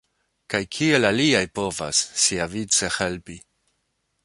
Kaj kiel aliaj povas, siavice, helpi?